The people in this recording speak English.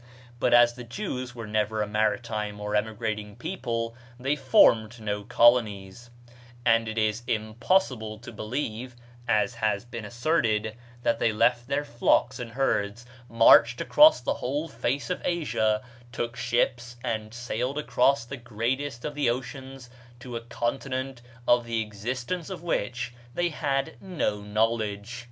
But the Jews were never a maritime or emigrating people; they formed no colonies; and it is impossible to believe (as has been asserted) that they left their flocks and herds, marched across the whole face of Asia, took ships and sailed across the greatest of the oceans to a continent of the existence of which they had no knowledge.